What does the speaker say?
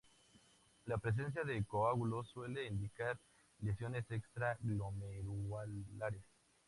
La presencia de coágulos suele indicar lesiones extra-glomerulares.